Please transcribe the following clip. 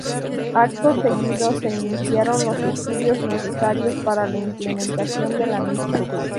Acto seguido se iniciaron los estudios necesarios para la implementación de la misma.